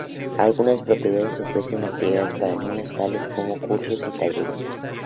Algunas propiedades ofrecen actividades para niños tales como concursos y talleres.